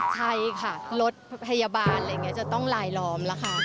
ใช่ค่ะรถพยาบาลอะไรอย่างนี้จะต้องลายล้อมแล้วค่ะ